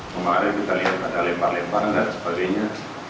kemarin kita lihat ada lempar lemparan dan sebagainya